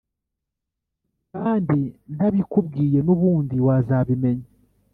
kandi ntabikubwiye nubundi wazabimenya